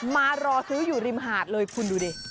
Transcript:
มารอซื้ออยู่ริมหาดเลยคุณดูดิ